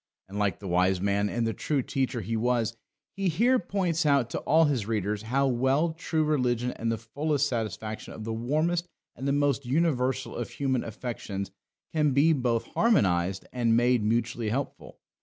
And, like the wise man and the true teacher he was, he here points out to all his readers how well true religion and the fullest satisfaction of the warmest and the most universal of human affections can be both harmonised and made mutually helpful.